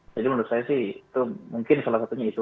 jadi menurut saya sih itu mungkin salah satunya itu